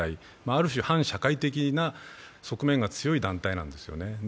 ある種、反社会的な側面が強い団体なんですよね。